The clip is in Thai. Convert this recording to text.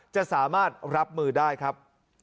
จะสามารถรับมือได้ครับ